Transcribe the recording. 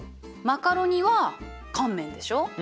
マカロニは乾麺でしょう。